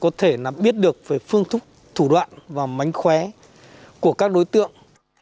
có thể là biết được về phương thức thủ đoạn và mánh khóe của các đối tượng